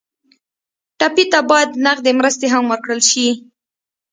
ټپي ته باید نغدې مرستې هم ورکړل شي.